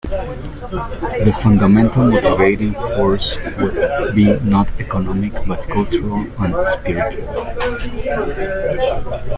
The fundamental motivating force would be not economic but cultural and spiritual.